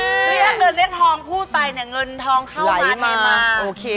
ถ้าเกิดเรียกทองพูดไปเนี่ยเงินทองเข้ามาได้มา